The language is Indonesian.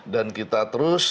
dan kita terus